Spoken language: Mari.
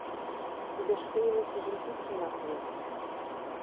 Тудо шке илышыжым кӱкшын аклен.